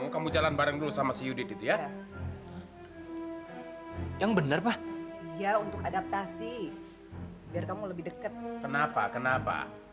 kamu gak perlu jelasin apa apa